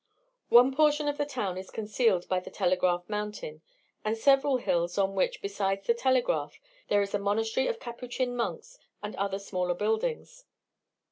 One portion of the town is concealed by the Telegraph Mountain, and several hills, on which, besides the Telegraph, there is a monastery of Capuchin monks and other smaller buildings.